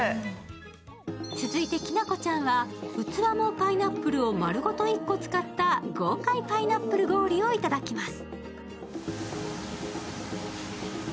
続いてきなこちゃんは器もパイナップルを丸ごと１個使った豪快パイナップル氷をいただきます。